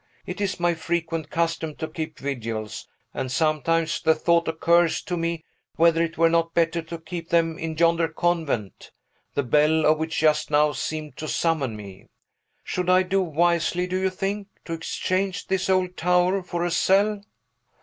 It is my frequent custom to keep vigils, and sometimes the thought occurs to me whether it were not better to keep them in yonder convent, the bell of which just now seemed to summon me. Should I do wisely, do you think, to exchange this old tower for a cell?"